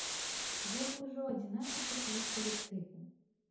Гэта ўжо адзінаццаты кліп калектыву.